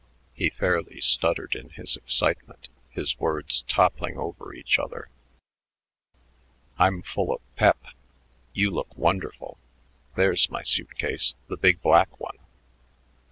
He fairly stuttered in his excitement, his words toppling over each other. "I'm full of pep. You look wonderful. There's my suit case, the big black one.